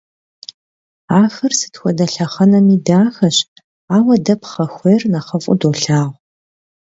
Ахэр сыт хуэдэ лъэхъэнэми дахэщ, ауэ дэ пхъэхуейр нэхъыфӀу долъагъу.